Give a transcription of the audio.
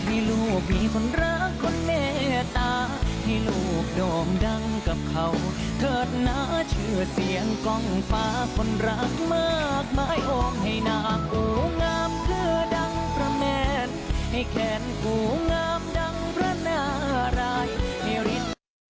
อีกแค่งหูงามดังพระนาหารายมีริสต์